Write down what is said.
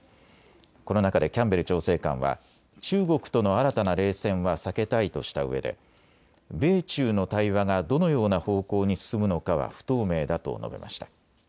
この中でキャンベル調整官は中国との新たな冷戦は避けたいとしたうえで米中の対話がどのような方向に進むのかは不透明だと述べました。